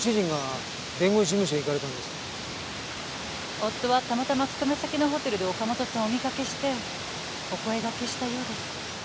夫はたまたま勤め先のホテルで岡本さんをお見かけしてお声掛けしたようです。